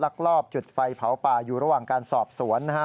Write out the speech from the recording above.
ลอบจุดไฟเผาป่าอยู่ระหว่างการสอบสวนนะฮะ